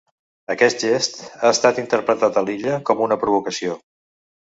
Aquest gest ha estat interpretat a l’illa com una provocació.